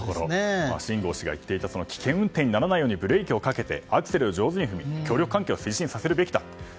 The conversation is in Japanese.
シン・ゴウ氏が言っていた危険運転にならないようにブレーキをかけてアクセルを上手に踏んで協力関係を推進させるべきだと。